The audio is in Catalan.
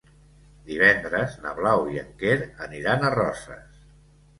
Divendres na Blau i en Quer aniran a Roses.